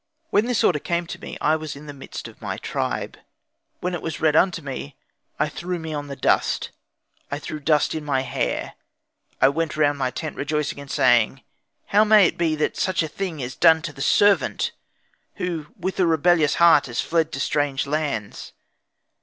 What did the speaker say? When this order came to me, I was in the midst of my tribe. When it was read unto me, I threw me on the dust, I threw dust in my hair; I went around my tent rejoicing and saying, "How may it be that such a thing is done to the servant, who with a rebellious heart has fled to strange lands?